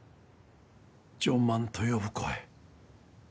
「ジョン万」と呼ぶ声。